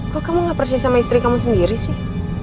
kok kamu gak percaya sama istri kamu sendiri sih